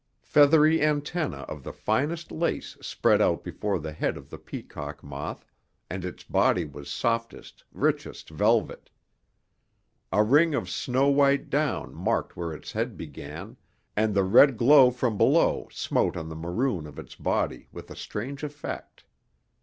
Feathery antennae of the finest lace spread out before the head of the peacock moth, and its body was softest, richest velvet. A ring of snow white down marked where its head began, and the red glow from below smote on the maroon of its body with a strange effect.